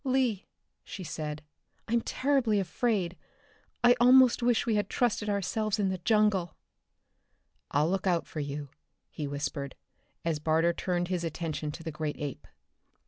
"Lee," she said, "I'm terribly afraid. I almost wish we had trusted ourselves in the jungle." "I'll look out for you," he whispered, as Barter turned his attention to the great ape.